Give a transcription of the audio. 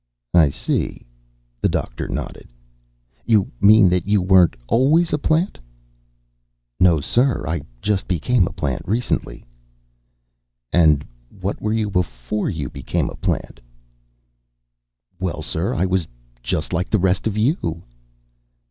"I see." The Doctor nodded. "You mean that you weren't always a plant?" "No, sir. I just became a plant recently." "And what were you before you became a plant?" "Well, sir, I was just like the rest of you."